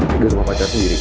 pak regar sama pacar sendiri